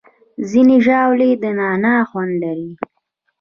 ځینې ژاولې د نعناع خوند لري.